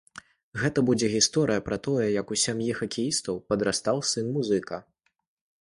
Гэта будзе гісторыя пра тое, як у сям'і хакеістаў падрастаў сын-музыка.